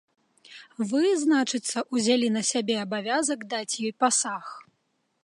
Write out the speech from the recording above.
Вы, значыцца, узялі на сябе абавязак даць ёй пасаг.